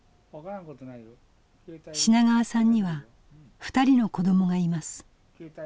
品川さんには２人の子どもがいます。